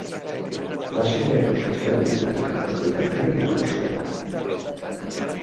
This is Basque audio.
Pasaiako Sozialista Elkarteko idazkari nagusia da.